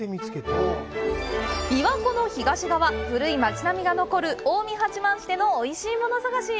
琵琶湖の東側、古い町並みが残る近江八幡市でのおいしいもの探し。